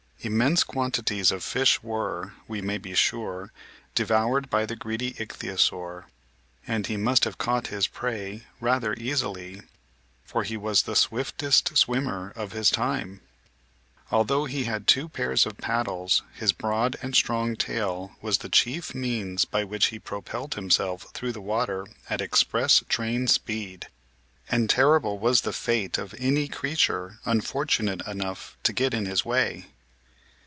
Immense quantities of fishes were, we may be sure, devoured by the greedy Ichthyosaur, and he must have caught his prey rather easily, for he was the swiftest swimmer of his time. Although he had two pairs of paddles, his broad and strong tail was the chief means by which he propelled himself through the water at express train speed. And terrible was MIGHTY ANIMALS 5 65 66 MIGHTY ANIMALS the fate of any creature unfortunate enough to get in his way.